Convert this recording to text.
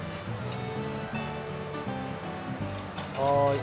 はい。